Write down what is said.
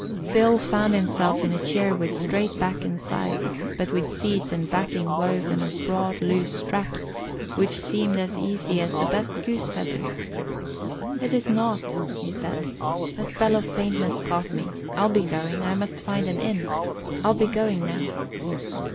Phil found himself in a chair with straight back and sides, but with seat and backing woven of broad, loose straps, which seemed as easy as the best goose feathers. "It is nought," he said. "A spell of faintness caught me. I'll be going; I must find an inn; I'll be going now."